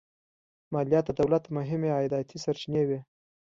مالیات د دولت مهمې عایداتي سرچینې وې.